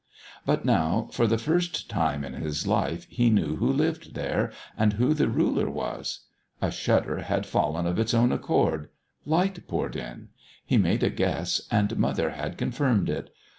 But now, for the first time in his life, he knew who lived there and who the Ruler was. A shutter had fallen of its own accord; light poured in; he made a guess, and Mother had confirmed it.